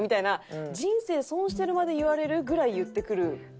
「人生損してる」まで言われるぐらい言ってくる感じ。